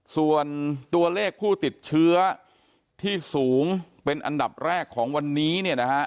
ส่วนตัวเลขผู้ติดเชื้อที่สูงเป็นอันดับแรกของวันนี้เนี่ยนะฮะ